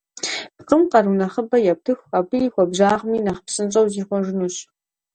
Пкъым къару нэхъыбэ ептыху, абы и хуабжьагъми нэхъ псынщӏэу зихъуэжынущ.